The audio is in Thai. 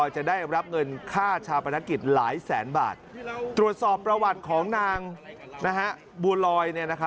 ชาปนักกิจหลายแสนบาทตรวจสอบประวัติของนางบัวลอย